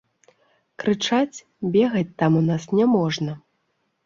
Крычаць, бегаць там у нас няможна.